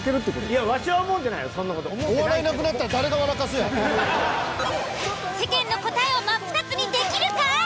世間の答えをマップタツにできるか？